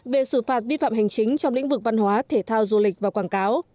về xử phạt vi phạm hành chính trong lĩnh vực văn hóa thể thao du lịch và quảng cáo